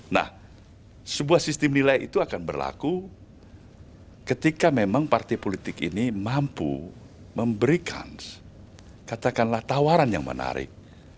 nah sebuah sistem nilai itu akan berlaku ketika memang partai politik ini mampu memberikan katakanlah tawaran yang menarik